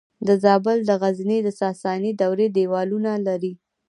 د زابل د غزنیې د ساساني دورې دیوالونه لري